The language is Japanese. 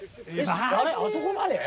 あれあそこまで？